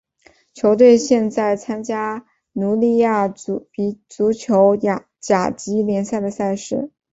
球队现在参加匈牙利足球甲级联赛的赛事。